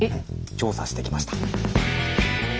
調査してきました。